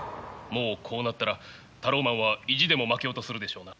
もうこうなったらタローマンは意地でも負けようとするでしょうな。